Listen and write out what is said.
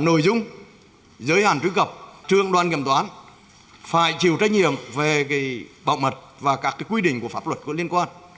nội dung giới hạn truy cập trương đoan kiểm toán phải chịu trách nhiệm về bạo mật và các quy định của pháp luật có liên quan